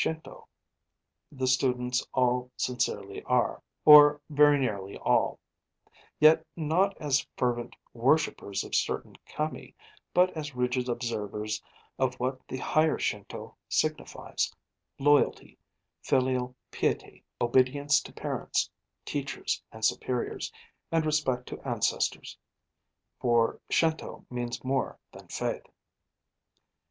Shinto the students all sincerely are, or very nearly all; yet not as fervent worshippers of certain Kami, but as rigid observers of what the higher Shinto signifies loyalty, filial piety, obedience to parents, teachers, and superiors, and respect to ancestors. For Shinto means more than faith.